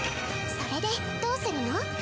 それでどうするの？